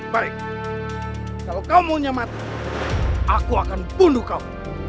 baik kalau kau maunya mati aku akan bunuh kau